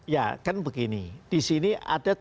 ya kan begini disini ada